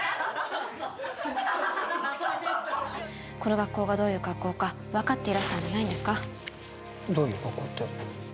この学校がどういう学校か、分かっていらしたんじゃないんでどういう学校って？